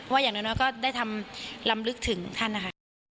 อย่างน้อยก็ได้ทำลำลึกถึงท่านนะคะ